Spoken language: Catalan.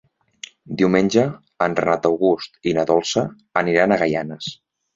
Diumenge en Renat August i na Dolça aniran a Gaianes.